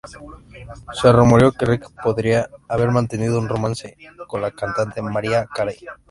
Se rumoreó que Rick podría haber mantenido un romance con la cantante Mariah Carey.